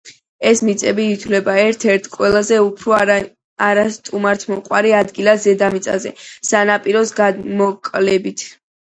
ეს მიწები ითვლება ერთ-ერთ ყველაზე უფრო არასტუმართმოყვარე ადგილად დედამიწაზე, სანაპიროს გამოკლებით.